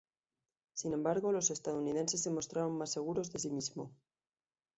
Sin embargo, los estadounidenses se mostraron más seguros de sí mismos.